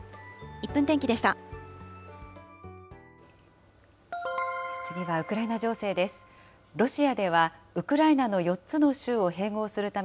１分天気でした。